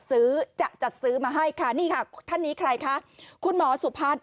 จะจัดซื้อมาให้ค่ะนี่ค่ะท่านนี้ใครคะคุณหมอสุพัฒน์